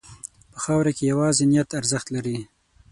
په خاوره کې یوازې نیت ارزښت لري.